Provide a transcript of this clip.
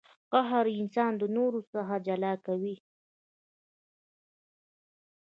قهر انسان د نورو څخه جلا کوي.